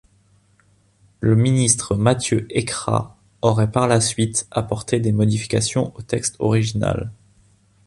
Le ministre Matthieu Ékra aurait par la suite, apporté des modifications au texte original.